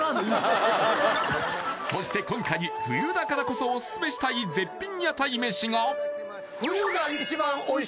そして今回冬だからこそオススメしたい絶品屋台めしが！